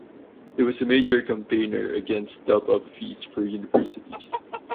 He was a major campaigner against top-up fees for universities.